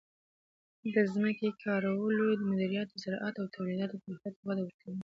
د ځمکې کارولو مدیریت د زراعت او تولیداتو پراختیا ته وده ورکوي.